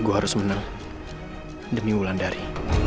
gua harus menang demi wulandari